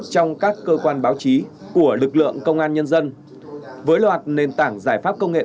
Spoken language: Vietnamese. trong các cơ quan báo chí của lực lượng công an nhân dân với loạt nền tảng giải pháp công nghệ